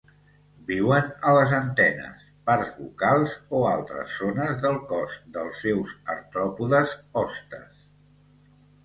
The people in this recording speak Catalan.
Viuen a les antenes, parts bucals o altres zones del cos dels seus artròpodes hostes.